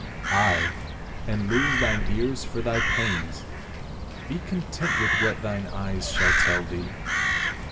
" Ay, and lose thine ears for thy pains ; be content with what thine eyes shall tell thee."